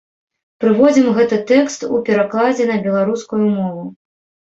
Прыводзім гэты тэкст у перакладзе на беларускую мову.